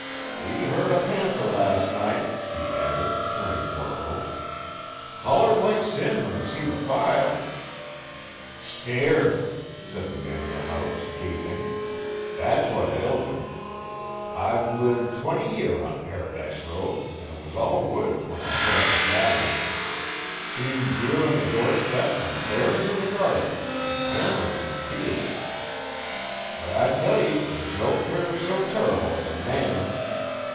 We heard a panther las' night,' he added, turning to our host. 'Hollered like sin when he see the fire.' 'Scairt!' said the man o' the house gaping. 'That's what ailed him. I've lived twenty year on Paradise Road an' it was all woods when I put up the cabin. Seen deer on the doorstep an' bears in the garden, an' panthers in the fields. But I tell ye there's no critter so terrible as a man.